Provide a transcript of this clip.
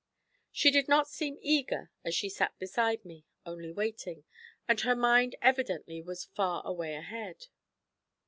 She did not seem eager, as she sat beside me, only waiting, and her mind evidently was 'far away ahead.'